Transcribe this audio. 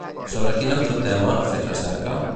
Sobre quin altre tema ha fet recerca?